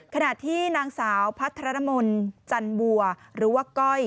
ขณะที่นางสาวพัฒนมลจันบัวหรือว่าก้อย